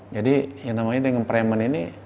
jadi yang namanya dengan preman ini